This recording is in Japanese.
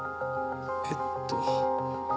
えっと。